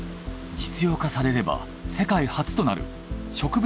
実用化されれば世界初となる植物